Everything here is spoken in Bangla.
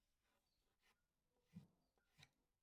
এ ধরনের সকল বর্ণনাকেই তিনি অনির্ভরযোগ্য বলে আখ্যায়িত করেছেন।